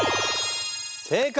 正解！